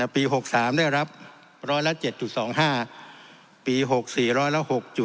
ปี๖๓ได้รับร้อยละ๗๒๕ปี๖๔ร้อยละ๖๐